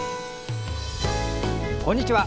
こんにちは。